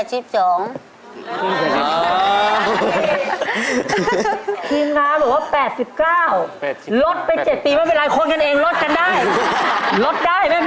ทีมค้าบอกว่า๘๙ลดไป๗ปีไม่เป็นไรครับ